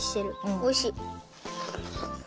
おいしい。